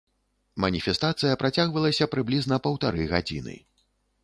Маніфестацыя працягвалася прыблізна паўтары гадзіны.